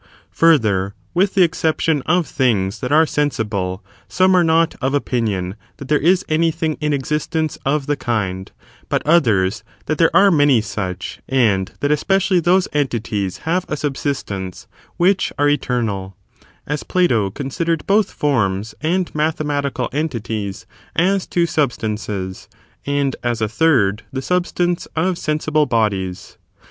Further, with the exception of things that are sensible, some are not of opinion that there is anything in existence of the kind, but others, that there are many such, and that especially those entities have a subsistence wMch are eternal; as Plato considered both forms and mathematical entities as two substances, and, as a third, the substance of sensible bodies.